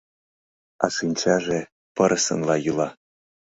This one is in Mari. А шинчаже пырысынла йӱла.